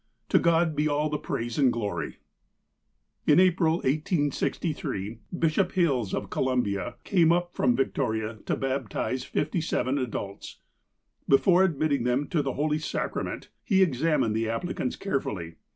To God be all the praise and glory !" In April, 1863, Bishop Hills, of Columbia, came up from Victoria to baptize fifty seven adults. Before admitting them to the holy sacrament, he ex amined the applicants carefully.